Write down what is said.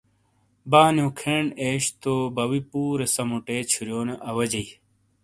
بانیو کھین ایش تو باؤوئی پُورے سَمُوٹے چھُرونی اواجئی